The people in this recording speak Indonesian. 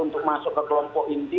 untuk masuk ke kelompok inti